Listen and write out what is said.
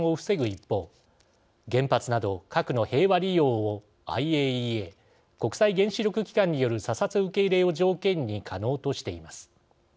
一方原発など核の平和利用をＩＡＥＡ＝国際原子力機関による査察受け入れを条件に可能としています。